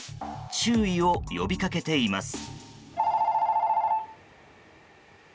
注意を呼びかけています。